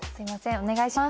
お願いします。